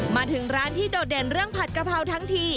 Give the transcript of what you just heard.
มาถึงร้านที่โดดเด่นเรื่องผัดกะเพราทั้งที